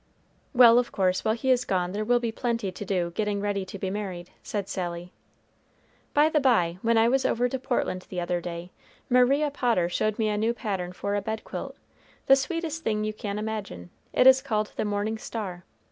"Well, of course, while he is gone there will be plenty to do getting ready to be married," said Sally. "By the by, when I was over to Portland the other day, Maria Potter showed me a new pattern for a bed quilt, the sweetest thing you can imagine, it is called the morning star.